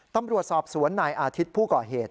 ตำรวจสอบสวนนายอาทิตย์ผู้ก่อเหตุ